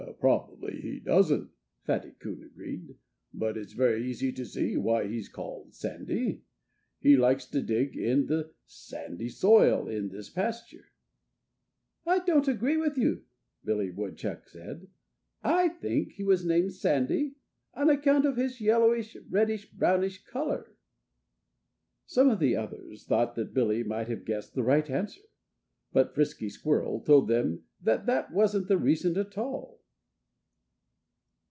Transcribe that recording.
"Probably he doesn't," Fatty Coon agreed. "But it's easy to see why he's called Sandy. He likes to dig in the sandy soil in this pasture." "I don't agree with you," Billy Woodchuck said. "I think he was named Sandy on account of his yellowish, reddish, brownish color." Some of the others thought that Billy might have guessed the right answer. But Frisky Squirrel told them that that wasn't the reason at all.